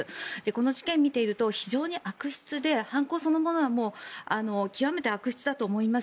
この事件を見ていると非常に悪質で犯行そのものが極めて悪質だと思います。